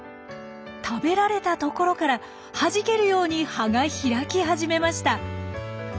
食べられたところからはじけるように葉が開き始めました！